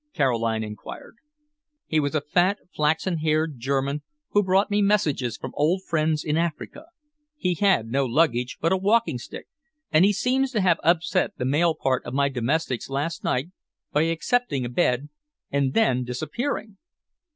Caroline enquired. "He was a fat, flaxen haired German who brought me messages from old friends in Africa. He had no luggage but a walking stick, and he seems to have upset the male part of my domestics last night by accepting a bed and then disappearing!"